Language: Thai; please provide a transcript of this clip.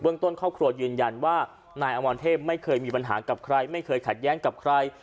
ต้นครอบครัวยืนยันว่านายอมรเทพไม่เคยมีปัญหากับใครไม่เคยขัดแย้งกับใคร